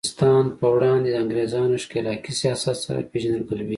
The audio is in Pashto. د افغانستان په وړاندې د انګریزانو ښکیلاکي سیاست سره پیژندګلوي.